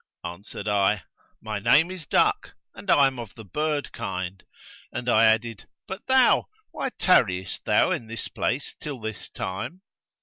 Answered I, 'My name is Duck, and I am of the bird kind;' and I added, 'But thou, why tarriest thou in this place till this time?'